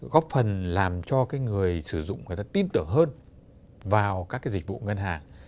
góp phần làm cho cái người sử dụng người ta tin tưởng hơn vào các cái dịch vụ ngân hàng